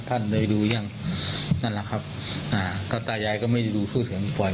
ท่านเลยดูยังนั่นแหละครับอ่าก็ตายายก็ไม่ได้ดูพูดเสียงปล่อย